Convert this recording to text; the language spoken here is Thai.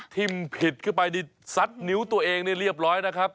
ทิมผิดขึ้นไปสัดนิ้วตัวเองเนี่ยเรียบร้อยนะครับ